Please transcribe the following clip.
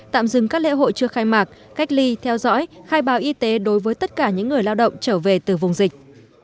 tạm dừng các lễ hội chưa khai mạc cách ly theo dõi khai báo y tế đối với tất cả những người lao động trở về từ vùng dịch